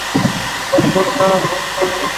অদ্ভুত না, ভূত তুমি।